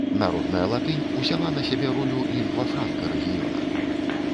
Народная латынь узяла на сябе ролю лінгва франка рэгіёна.